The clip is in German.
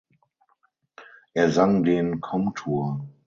Er sang den Komtur.